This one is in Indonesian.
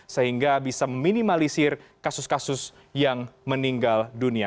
sehingga bisa meminimalisir kasus kasus yang meninggal dunia